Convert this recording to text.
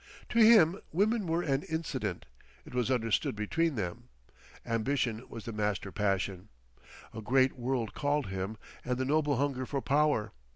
To him women were an incident, it was understood between them; Ambition was the master passion. A great world called him and the noble hunger for Power.